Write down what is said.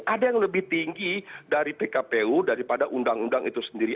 ada yang lebih tinggi dari pkpu daripada undang undang itu sendiri